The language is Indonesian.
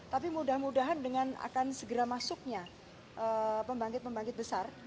tapi mudah mudahan dengan akan segera masuknya pembangkit pembangkit besar